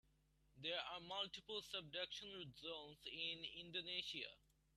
There are multiple subduction zones in Indonesia.